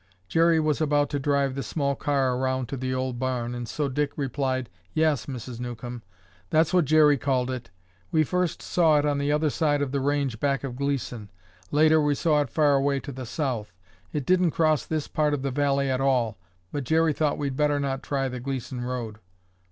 Jerry was about to drive the small car around to the old barn and so Dick replied, "Yes, Mrs. Newcomb. That's what Jerry called it. We first saw it on the other side of the range back of Gleeson. Later we saw it far away to the south. It didn't cross this part of the valley at all, but Jerry thought we'd better not try the Gleeson road."